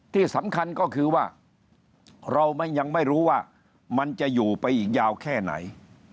ที่สำคัญก็คือว่าเรายังไม่รู้ว่ามันจะอยู่ไปอีกยาวแค่ไหน